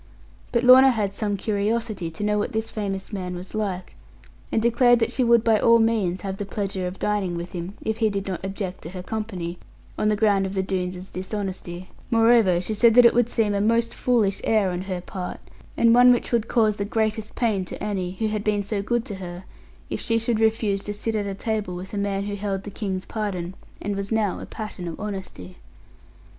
But Lorna had some curiosity to know what this famous man was like, and declared that she would by all means have the pleasure of dining with him, if he did not object to her company on the ground of the Doones' dishonesty; moreover, she said that it would seem a most foolish air on her part, and one which would cause the greatest pain to Annie, who had been so good to her, if she should refuse to sit at table with a man who held the King's pardon, and was now a pattern of honesty.